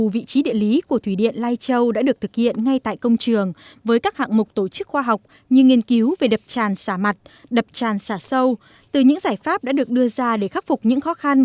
việc đưa hai công trình này vào khai thác sử dụng